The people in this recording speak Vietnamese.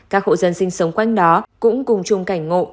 các hộ dân sinh sống quanh đó cũng cùng chung cảnh ngộ